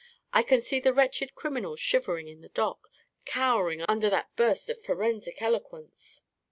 I can see the wretched criminal shivering in the dock, cowering under that burst of forensic eloquence."